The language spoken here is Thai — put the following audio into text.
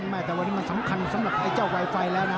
ไม่แต่วันนี้มันสำคัญสำหรับไอ้เจ้าไวไฟแล้วนะ